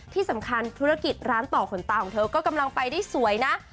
ที่สำคัญธุรกิจร้านต่อขนตาของเธอก็กำลังไปได้สวยนะ